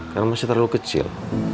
karena masih terlalu kecil